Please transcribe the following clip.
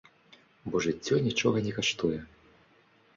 Бо жыццё нічога не каштуе.